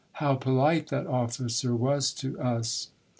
" How polite that officer was to us